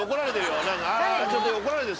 ああちょっと怒られてる。